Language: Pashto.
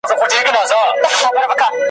په سیلیو کي آواز مي، چا به نه وي اورېدلی ,